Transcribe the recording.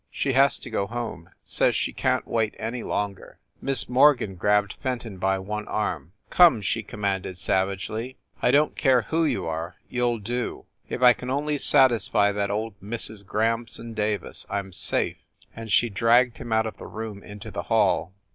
"She has to go home. Says she can t wait any longer." Miss Morgan grabbed Fenton by one arm. "Come!" she commanded, savagely, "I don t care who you are you ll do! If I can only satisfy that old Mrs. Grahamson Davis, I m safe!" and she dragged him out of the room into the hall.